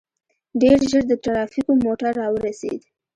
ډېر ژر د ټرافيکو موټر راورسېد.